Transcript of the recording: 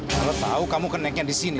kalau tau kamu kenaikan disini